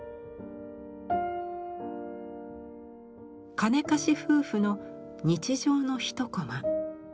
金貸し夫婦の日常のひとコマ。